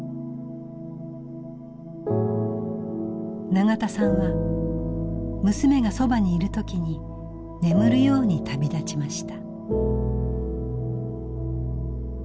永田さんは娘がそばにいる時に眠るように旅立ちました。